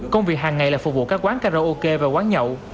công việc hàng ngày là phục vụ các quán karaoke và quán nhậu